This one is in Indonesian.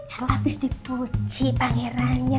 habis dipuji pangerannya